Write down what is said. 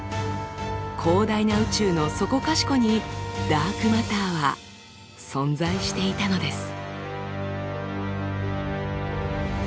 広大な宇宙のそこかしこにダークマターは存在していたのです。